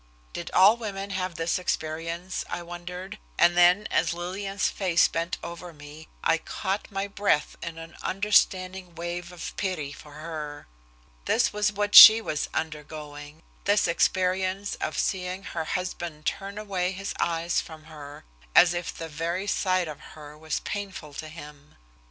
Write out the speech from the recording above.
Did all women have this experience I wondered, and then as Lillian's face bent over me I caught my breath in an understanding wave of pity for her. This was what she was undergoing, this experience of seeing her husband turn away his eyes from her, as if the very sight of her was painful to him.